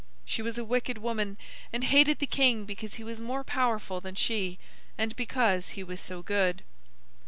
She was a wicked woman, and hated the king because he was more powerful than she, and because he was so good.